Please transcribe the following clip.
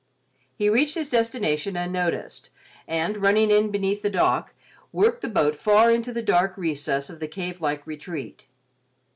He reached his destination unnoticed, and, running in beneath the dock, worked the boat far into the dark recess of the cave like retreat.